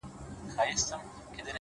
زه يې د نوم تر يوه ټكي صدقه نه سومه _